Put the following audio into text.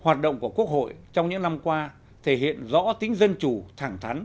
hoạt động của quốc hội trong những năm qua thể hiện rõ tính dân chủ thẳng thắn